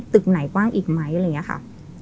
ตึกไหนกว้างอีกไหมอะไรอย่างนี้ค่ะ